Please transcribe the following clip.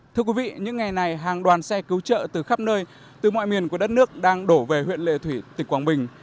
thưa quý vị những ngày này hàng đoàn xe cứu trợ từ khắp nơi từ mọi miền của đất nước đang đổ về huyện lệ thủy tỉnh quảng bình